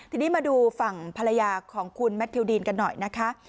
ทีนี้มาดูฝั่งภรรยาของคุณแมททิวดีนกันหน่อยนะคะ